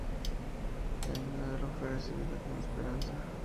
En Milagro fue recibida con esperanza.